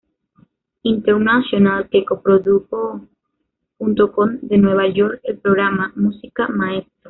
International que coprodujo junto con de Nueva York el programa "¡...Música, Maestro!